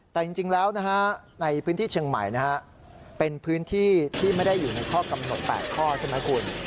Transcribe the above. แต่จริงแล้วนะฮะในพื้นที่เชียงใหม่นะฮะเป็นพื้นที่ที่ไม่ได้อยู่ในข้อกำหนด๘ข้อใช่ไหมคุณ